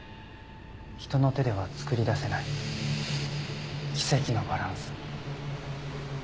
人の手では作り出せない奇跡のバランス。